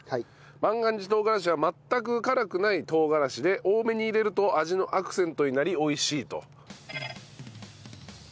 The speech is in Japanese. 万願寺とうがらしは全く辛くないとうがらしで多めに入れると味のアクセントになり美味しいと。